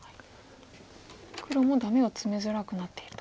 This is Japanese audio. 黒もダメをツメづらくなっていると。